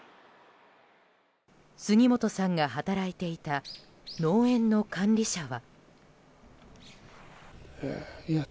杉本さんが働いていた農園の管理者は。